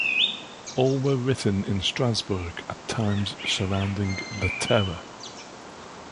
All were written in Strasbourg at times surrounding the Terror.